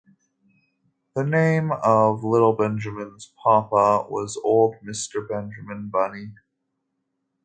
The name of little Benjamin's papa was old Mr Benjamin Bunny.